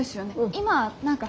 今何か。